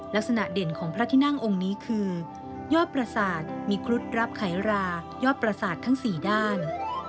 ลักษณะเด่นของพระทินั่งองค์นี้คือยอดปราศาสตร์มีครุฑรับไขรายอดปราศาสตร์ทั้งสี่ด้าน